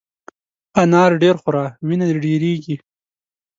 انار ډېر خوره ، وینه دي ډېرېږي !